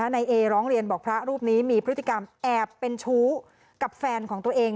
นายเอร้องเรียนบอกพระรูปนี้มีพฤติกรรมแอบเป็นชู้กับแฟนของตัวเอง